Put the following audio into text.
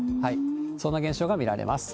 そんな現象が見られます。